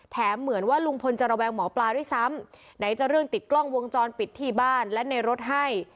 เหมือนว่าลุงพลจะระแวงหมอปลาด้วยซ้ำไหนจะเรื่องติดกล้องวงจรปิดที่บ้านและในรถให้